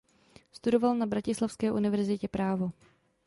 Studoval na bratislavské univerzitě právo.